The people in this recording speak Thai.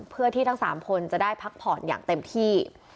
เพื่อที่ทั้ง๓คนจะได้พักผ่อนอย่างเต็มที่